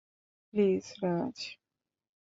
Please, Raj.